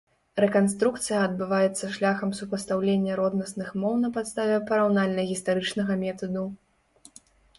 Рэканструкцыя адбываецца шляхам супастаўлення роднасных моў на падставе параўнальна-гістарычнага метаду.